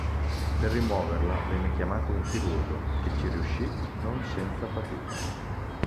Per rimuoverla venne chiamato un chirurgo che ci riuscì non senza fatica.